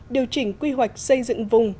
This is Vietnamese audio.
điều chỉnh quy hoạch xây dựng vùng